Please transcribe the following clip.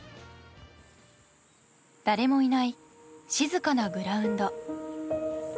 誰もいない、静かなグラウンド。